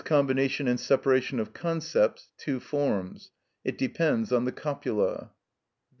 _, combination and separation of concepts: two forms. It depends on the copula.